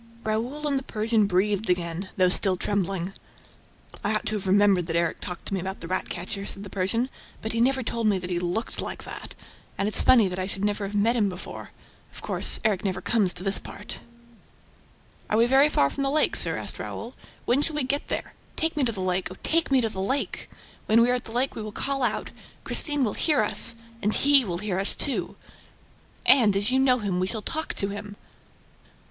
Raoul and the Persian breathed again, though still trembling. "I ought to have remembered that Erik talked to me about the rat catcher," said the Persian. "But he never told me that he looked like that ... and it's funny that I should never have met him before ... Of course, Erik never comes to this part!" [Illustration: two page color illustration] "Are we very far from the lake, sir?" asked Raoul. "When shall we get there? ... Take me to the lake, oh, take me to the lake! ... When we are at the lake, we will call out! ... Christine will hear us! ... And HE will hear us, too! ... And, as you know him, we shall talk to him!"